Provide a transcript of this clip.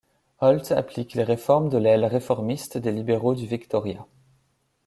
Holt applique les réformes de l'aile réformiste des libéraux du Victoria.